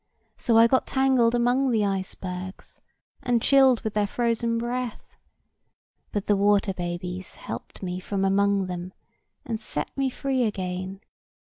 So I got tangled among the icebergs, and chilled with their frozen breath. But the water babies helped me from among them, and set me free again.